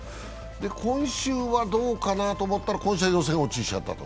今週はどうかなと思ったら今週は予選落ちしちゃった。